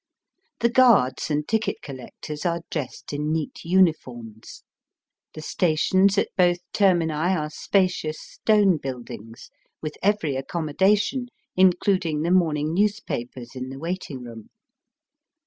The guards and ticket collectors are dressed in neat uniforms. The stations at ' both termini are spacious stone buildings, with every accommodation, including the morning newspapers in the waiting room.